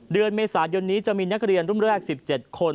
เดือนเมษายนนี้จะมีนักเรียนรุ่นแรก๑๗คน